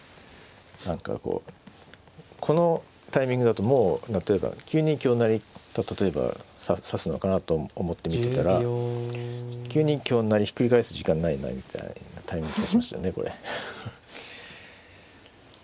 何かこうこのタイミングだともう９二香成と例えば指すのかなと思って見てたら９二香成ひっくり返す時間ないなみたいなタイミングで指しますよね。